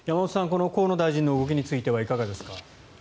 この河野大臣の動きについてはいかがですか。